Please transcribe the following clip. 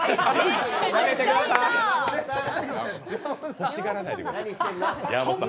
欲しがらないでください、山本さん。